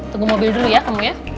tunggu mobil dulu ya kamu ya